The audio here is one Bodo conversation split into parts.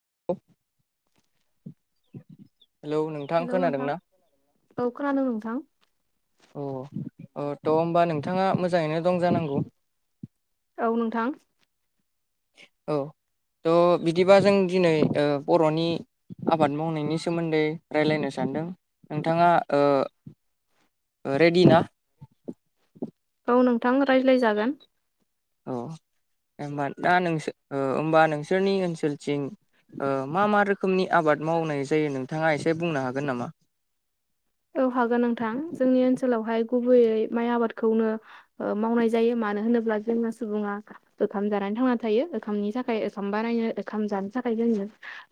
[unintelligible] हेलौ नोंथां खोनादों ना? औ खोनादों नोंथां अ अ थ' होमबा नोंथाङा मोजाङैनो दं जानांगौ औ नोंथां औ थ' बिदिबा जों दिनै ओ बर'नि आबाद मावनायनि सोमोन्दै रायलायनो सानदों नोंथाङा ओ ओ रेडि ना? औ नोंथां रायज्लाय जागोन अ होमबा दा नोंसोर ओ होमबा नोंसोरनि ओनसोलथिं ओ मा मा रोखोमनि आबाद मावनाय जायो नोंथाङा एसे बुंनो हागोन नामा? औ हागोन नोंथां जोंनि ओनसोलावहाय गुबैयै माइ आबादखौनो ओ मावनाय जायो मानो होनोब्ला जोंना सुबुङा ओंखाम जानानै थांना थायो ओंखामनि थाखाय ओखाम बानायनो ओंखाम जानो थाखाय जोंनो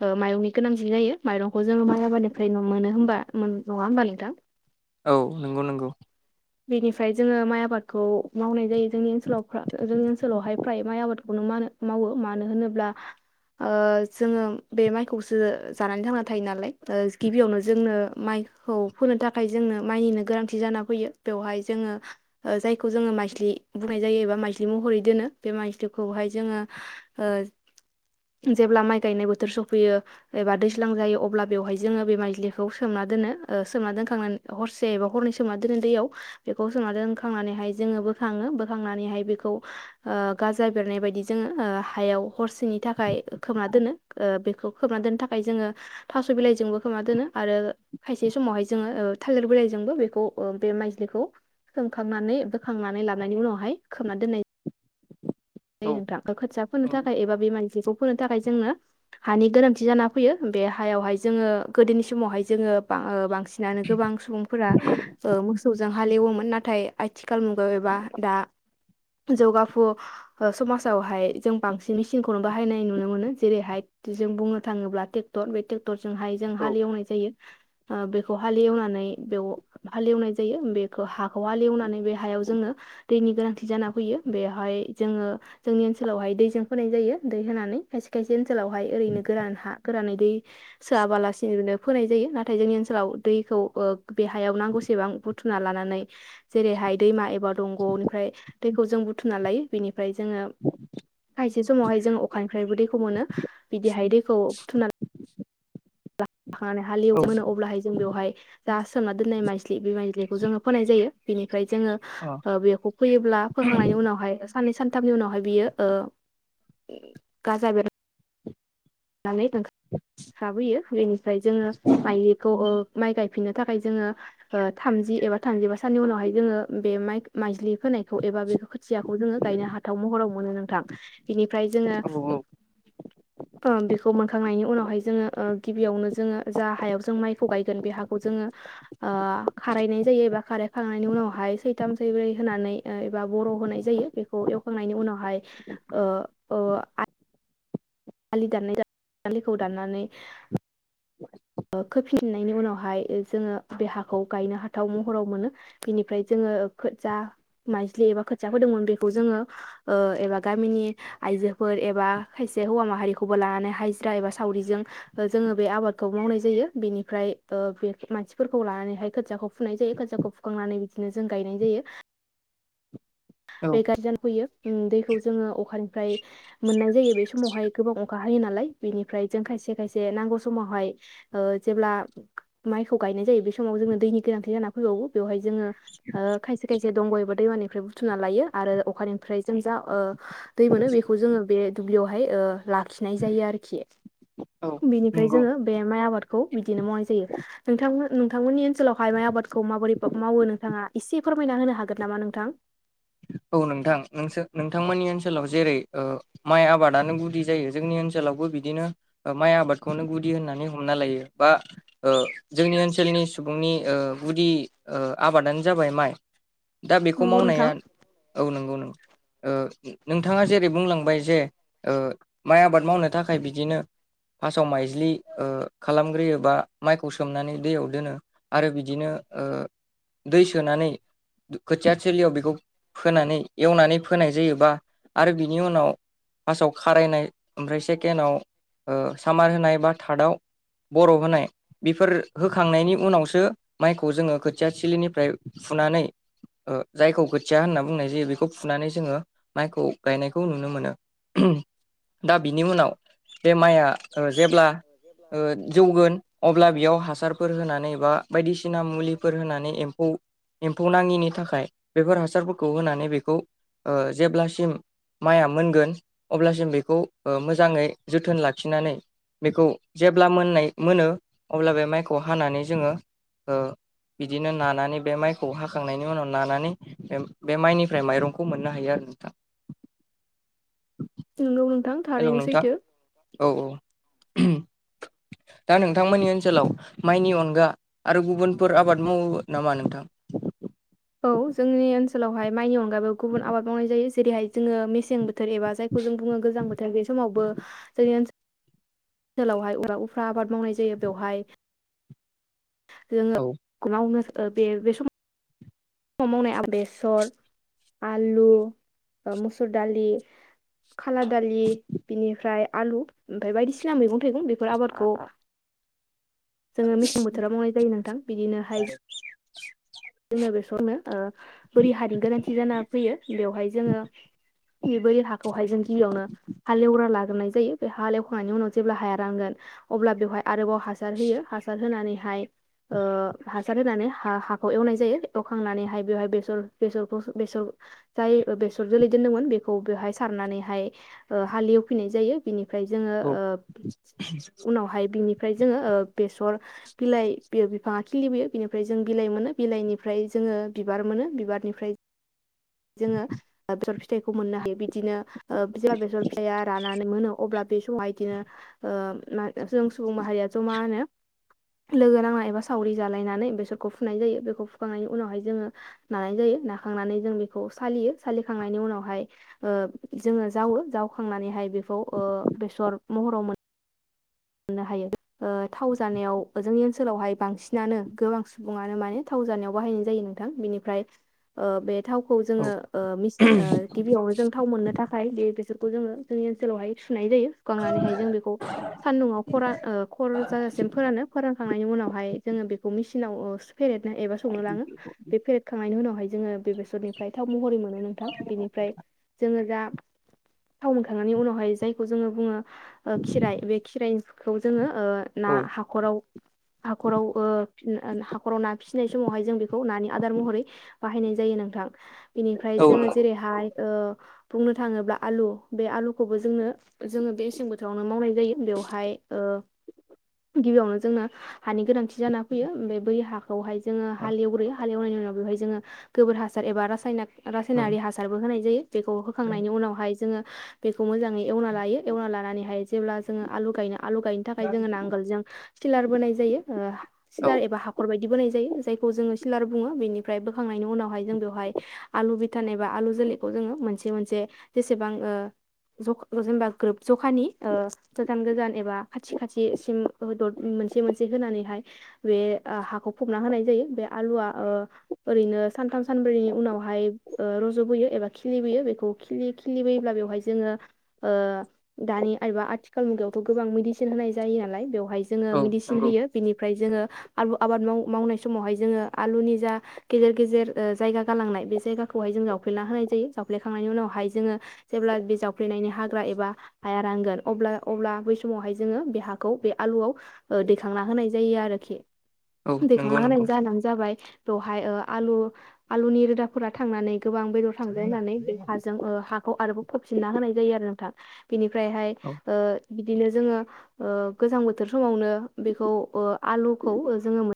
ओ माइरंनि गोनांथि जायो माइरंखौ जोङो माइ आबादनिफ्राय मोनो होनबा नङा होनबा नोंथां औ नंगौ नंगौ बेनिफ्राय जोङो माइ आबादखौ मावनाय जायो जोंनि ओनसोलाव जोंनि ओनसोलावहाय फ्राय माइ आबादखौनो मानो मावो मानो होनोब्ला ओ‌ जोङो बे माइखौसो जानानै थांना थायो नालाय ओ गिबियावनो जोंनो माइखौ फोनो थाखाय जोंनो माइनिनो गोनांथि जाना फैयो बेवहाय जोङो जायखौ जोङो माइज्लि बुंनाय जायो एबा माइज्लि महरै दोनो बे माइस्लिखौहाय जोङो ओ जेब्ला माइ गायनाय बोथोर सफैयो एबा दैज्लां जायो अब्ला बेवहाय जोङो बे माइज्लिखौ सोमना दोनो सोमना दोनखांनानै हरसे एबा हरनै सोमना दोनो दैयाव बेखौ सोमना दोनखांनानैहाय जोङो बोखाङो बोखांनानैहाय बेखौ ओ गाजा बेरनाय बायदि जोङो हायाव हरसेनि थाखाय खोबना दोनो बेखौ खोबना दोननो थाखाय जोङो थास' बिलाइजोंबो खोबना दोनो आरो खायसे समावहाय जोङो थालिर बिलाइजोंबो बेखौ बे माइ खौ सोमखांनानै बोखांनानै लानायनि उनावहाय खोमनानै दोननाय जायो औ नोंथां खोथिया फोनो नंगौ थाखाय एबा बे माइज्लिखौ फोनो थाखाय जोंनो हानि गोनांथि जाना फैयो बे हायावहाय जोङो गोदोनि समावहाय जोङो बां सिनानो गोबां सुबुंफोरा ओ मोसौजों हालेवोमोन ना नाथाय आथि खाल मुगायाव एबा दा जौगाफु समाजावहाय जों बांसिन मेसिनखौनो बाहायनाय नुनो मोनो जेरैहाय जों बुंनो थाङोब्ला ट्रेक्टर बे ट्रे क्टरजोंहाय जों औ हालेवनाय जायो ओ बेखौ हालेवनानै बेयाव हाल एवनाय जायो बेखौ हाखौ हाल एवनानै बे हायाव जोंनो दैनि गोनांथि जाना फैयो बेवहाय जोङो जोंनि ओनसोलावहाय दैजों फोनाय जायो दै होनानै खायसे खायसे ओनसोलावहाय ओरैनो गोरान हा गोरानै दै सोआबालासिनोबो फोनाय जायो नाथाय जोंनि ओनसोलाव दैखौ ओ बे हायाव नांगौसेबां बुथुमना लानानै जेरैहाय दैमा एबा दंग'निफ्राय दैखौ जों बुथुमना लायो बिनि फ्राय जोङो खाय से समावहाय जों अखानिफ्रायबो दैखौ मोनो बिदिहाय दैखौ बुथुम [unintelligible] लाखांनानै हाल एव औ मोनो अब्लाहाय जों बेवहाय जा सोमना दोननाय माइस्लि बे माइज्लिखौ जोङो फोनाय जायो बेनि फ्राय जोङो अ ओ बेखौ फैयोब्ला फोखांनायनि उनावहाय साननै सान थामनि उनावहाय बियो ओ गाजा बेर नानै ओंखारबोयो बेनिफ्राय जोङो माइखौ ओ माइ गायफिननो थाखाय जोङो ओ थामजि एबा थामजिबा साननि उनावहाय जोङो बे माइ माइज्लि फोनायखौ एबा बे खोथियाखौ जोङो गायनो हाथाव महराव मोनो नोंथां बिनि फ्राय जोङो औ ओ बेखौ मोनखांनायनि उनावहाय जोङो ओ गिबियावनो जोङो जा हायाव जों माइखौ गायगोन बे हाखौ जोङो ओ खारायनाय जायो एबा खारायखांनायनि उनावहाय सैथाम सैब्रै होनानै ओ एबा बर' होनाय जायो बेखौ एवखांनायनि उनावहाय ओ ओ आलि दाननाय आलिखौ दाननानै ओ खोफिननायनि उनावहाय जोङो बे हाखौ गायनो हाथाव महराव मोनो बेनिफ्राय जोङो जा माइज्लि एबा खोथिया फोदोंमोन बेखौ जोङो ओ एबा गामिनि आइजोफोर एबा खायसे हौवा माहारिखौबो लानानै हाजिरा एबा सावरिजों जोङो बे आबाद खौ मावनाय जायो बेनिफ्राय ओ बे मानसिफोरखौ लानानैहाय खोथियाखौ फुनाय जायो खोथियाखौ फुखांनानै बिदिनो जों गायनाय जायो औ बे [unintelligible] फैयो ओम दैखौ जोङो अखा फ्राय मोननाय जायो बे समावहाय गोबां अखा हायो नालाय बेनिफ्राय जों खायसे खायसे नांगौ समावहाय ओ जेब्ला माइखौ गायनाय जायो बे समाव जोंनो दैनि गोनांथि जाना फैबावो बेवहाय जोङो ओ खायसे खायसे दंग' एबा दैमानिफ्राय बुथुम ना लायो आरो अखानिफ्राय जों जा ओ दै मोनो बेखौ जोङो बे दुब्लियावहाय ओ लाखिनाय जायो आरोखि। औ बिनिफ्राय नंगौ जोङो बे माइ आबाद खौ बिदिनो मावनाय जायो। नोंथां नोंथांमोननि ओनसोलावहाय माइ आबादखौ माबोरै मावो नोंथाङा एसे फोरमायना होनो हागोन नामा नोंथां? औ नोंथां, नोंथां मोननि ओनसोल ओनसोलाव जेरै ओ माइ आबादानो गुदि जायो जोंनि ओनसोलावबो बिदिनो ओ माइ आबादखौनो गुदि होननानै हमना लायो बा ओ जोंनि ओनसोलनि सुबुंनि ओ गुदि ओ आबादानो जाबाय माइ। दा बेखौ नंगौ नोंथां मावनाया औ नंगौ नोंगौ ओ नोंथाङा जेरै बुंलांबाय जे ओ माइ आबाद मावनो थाखाय बिदिनो फार्स्टआव माइज्लि ओ खालामग्रोयो बा माइखौ सोमनानै दैयाव दोनो आरो बिदिनो ओ दै सोनानै खोथिया थिलियाव बेखौ फोनानै एवनानै फोनाय जायोबा आरो बिनि उनाव फार्स्टआव खारायनाय ओमफ्राय सेकेण्डआव ओ सामार होनाय बा थार्डआव बर' होनाय बेफोर होखांनायनि उनावसो माइखौ जोङो खोथिया थिलिनिफ्राय फुनानै ओ जायखौ खोथिया होनना बुंनाय जायो बेखौ फुनानै जोङो माइखौ गायनायखौ नुनो मोनो। दा बिनि उनाव बे माइआ जेब्ला ओ जौगोन अब्ला बेयाव हासारफोर होनानै बा बायदिसिना मुलिफोर होनानै एम्फौ एम्फौ नाङिनि थाखाय बेफोर हास हासारफोरखौ होनानै बेखौ ओ जेब्लासिम माइआ मोनगोन अब्लासिम बेखौ ओ मोजाङै जोथोन लाखिनानै बेखौ जेब्ला मोननाय मोनो अब्ला बे माइखौ हानानै जोङो ओ बिदिनो नानानै बे माइखौ हाखांनायनि उनाव नानानै बे माइनिफ्राय माइरंखौ मोननो हायो आरो नोंथां। नोंगौ नों हेलौ नोंथां औ औ दा नोंथांमोननि ओनसोलाव माइनि अनगा आरो गुबुनफोर आबाद मावो नामा नोंथां? औ जोंनि ओनसोलावहाय माइनि अन बेयाव गुबुन आबाद मावनाय जायो जेरैहाय जोङो मेसें बो बोथोर एबा जायखौ जों बुङो गोजां बोथोर बे समावबो जोंनि ओनसोल ओनसोलावहाय उफ्रा आबाद मावनाय जायो बेवहाय जोङो औ [unintelligible] ओ बे बे समाव ख मावनाय बेसर आलु मुसुर दालि खाला दालि बिनिफ्राय आलु ओमफ्राय बायदिसिना मैगं थाइगं बेफोर आबादखौ जोङो मेसें बोथोराव मावनाय जायो नोंथां बिदिनो हाय [unintelligible] बेसरनो ओ बोरि हानि गोनांथि जाना फैयो बेवहाय जोङो बे बोरि हाखौहाय जों गिबियावनो हालेवग्रा लाग्रोनाय जायो बे हालेवखांनायनि उनाव जेब्ला हाया रानगोन अब्ला बेवहाय आरोबाव हासार होयो हासार होनानै हाय ओ हासार होनानै हा - हा एवनाय जायो एवखांनानैहाय बेवहाय बेसर बेसरखौ बेसर जाय बेसर जोलै दोनदोंमोन बेखौ बेवहाय सारनानैहाय ओ हाल एवफिनाय जायो बिनि फ्राय जोङो औ ओ उनावहाय बिनि ओमफ्राय जोङो ओ बेसर बिलाइ बि बिफाङा खिलिबोयो बिनिफ्राय जों बिलाइ मोनो बिलाइनिफ्राय जोङो बिबार मोनो बिबारनिफ्राय। जोङो बेसर फिथाइखौ मोननो हायो बिदिनो। बिमा बेसर फिसाया रानानै मोनो। अब्ला बे समावहायदिनो ओ जों सुबुं माहारिया ज' मा होनो लोगो नांनाय एबा सावरि जालायनानै बेसरखौ फुनाय जायो बेखौ फुखांनायनि उनावहाय जोङो नानाय जायो नाखांनानै जों बेखौ सालियो सालिखांनायनि उनावहाय जोङो जावो जावखांनानैहाय बेखौ ओ बेसर महराव मोनो। मोननो हायो ओ थाव जानायाव जोंनि ओनसोलावहाय बांसिनानो गोबां सुबुङानो माने थाव जानायाव बाहायनाय जायो नोंथां बेनिफ्राय ओ बे थावखौ औ जोङो ओ गिबियावनो जों थाव मोननो थाखाय बे बेस खौ जोङो जोंनि ओनसोलावहाय सुनाय जायो सुखांनानैहाय जों बेखौ [unintelligible] ओ खर जाजासिम फोरानो फोर खांनायनि उनावहाय जोङो बेखौ मिसिनाव ओ फेरेदनो एबा संनो लाङो बे फेरेदखांनायनि उनावहाय जोङो बेसरनिफ्राय थाव महरै नोंथां बेनिफ्राय जोङो दा थाव मोनखांनायनि उनावहाय जायखौ जोङो बुङो ओ खिराइ बे खौ जोङो ओ ना औ हाखराव हाखराव ओ हाखराव ना फिसिनाय समावहाय जों बेखौ नानि आदार महरै बाहायनाय जायो नोंथां। बेनिफ्राय जोङो जेरैहाय ओ बुंनो थाङोब्ला आलु बे आलुखौबो जोंनो जोङो मेसें बोथोरावनो मावनाय जायो बेयाव ओमफाय ओ गिबियावनो जोंनो हानि गोनांथि जाना फैयो बै हाखौ बेवहाय जोङो हालेवग्रोयो। हालेवनायनि उनाव बेवहाय जोङो गोबोर हासार एबा रासायना औ रासायनारि हासारबो होनाय जायो। बेखौ होखांनायनि उनावहाय जोङो बेखौ मोजाङै एवना लायो एवना लानानैहाय जेब्ला जोङो आलु गायनो आलु गायनो थाखाय जोङो नांगोल जों सिलार बोनाय जायो ओ औ सिलार एबा हाखर बायदि बोनाय जायो जायखौ जोङो सिलार बुङो बेनिफ्राय बोखांनायनि उनावहाय जों बेवहाय आलु भिटान एबा आलु जोलैखौ जोङो मोनसे मोनसे जेसेबां ओ जखा जेनेबा ग्रोब जखानि ओ गोजान गोजान एबा खाथि खाथिसिम हो दद मोनसे मोनसे होनानैहाय बे ओ हाखौ फबना होनाय जायो बे आलुआ ओ ओरैनो सानथाम सानब्रै उनावहाय ओ रज'बोयो एबा खिलिबोयो बेखौ खिलि खिलिबोयोब्ला बेवहाय जोङो ओ दानि एबा आथि खाल मुगायावथ' गोबां मिडिसिन होनाय जायो नालाय बेव हाय जोङो औ मिडिसिन नंगौ होयो बेनिफ्राय जोङो आलु आबाद माव मावनाय समावहाय जोङो आलुनि जा गेजेर गेजेर ओ जायगा गालांनाय बे जायगाखौहाय जों जावफ्लेना होनाय जायो जावफ्लेखांनायनि उनावहाय जोङो जेब्ला बे जावफ्लेनायनि हाग्रा एबा हाया रांगोन अब्ला अब्ला बै समावहाय जोङो बे हाखौ बे आलुआव ओ दैखांना होनाय जायो आरोखि औ नंगौ दैखांना होनायनि नंगौ जाहानो जाबाय बेवहाय ओ आलु आलुनि रोदाफोरा थांनानै गोबां बेदर थांजायो होननानै बे हाजों ओ हाखौ आरोबाव फोबसिनना होनाय जायो आरो नोंथां बेनि फ्रायहाय औ ओ बिदिनो जोङो ओ गोजां बोथोर समावनो बेखौ ओ आलुखौ जोङो मोन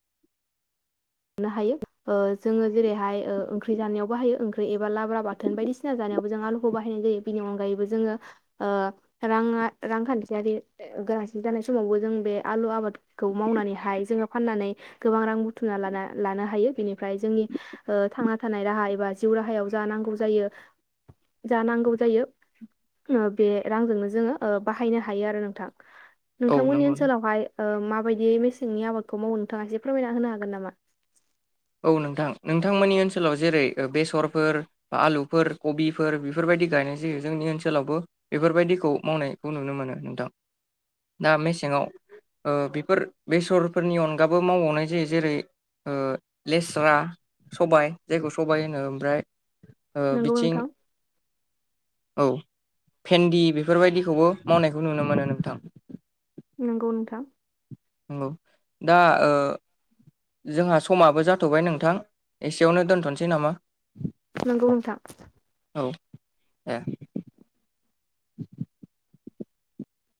मोननो हायो ओ जोङो जेरैहाय ओ ओंख्रि जानायाव बाहायो ओंख्रि एबा लाब्रा बाथोन बायदिसिना जानायावबो जों आलुखौ बाहायनाय जायो बिनि अनगायैबो जोङो ओ रांङा रांखान्थियारि गोनांथि जानाय समावबो जों बे आलु आबादखौ मावनानैहाय जोङो फाननानै गोबां रां बुथुमना लाना लानो हायो बिनिफ्राय जोंनि ओ थांना थानाय राहा एबा जिउ राहायाव जा नांगौ जायो जा नांगौ जायो ओ बे रांजोंनो जोङो ओ बाहायनो हायो आरो नोंथां। औ नोंथांमोननि नंगौ ओनसोलावहाय ओ मा बायदियै मेसेंनि आबादखौ मावो नोंथाङा एसे फोरमायना होनो हागोन नामा? औ नोंथां नोंथांमोननि ओनसोलाव जेरै बेसरफोर आलुफोर कबिफोर बिफोरबायदि गायनाय जायो जोंनि ओनसोलावबो बेफोरबायदिखौ मावनायखौ नुनो मोनो नोंथां दा मेसेंङाव ओ बेफोर बेसरफोरनि अनगाबो मावबावनाय जायो जेरै ओ लेस्रा सबाय जायखौ सबाय होनो ओमफ्राय ओ नंगौ बिथिं नोंथां औ भेन्दि बेफोरबायदिखौबो मावनायखौ नुनो मोनो नोंथां। नंगौ नोंथां नंगौ दा ओ जोंहा समाबो जाथ'बाय नोंथां एसेयावनो दोनथ'नोसै नामा? नंगौ नोंथा गौ ए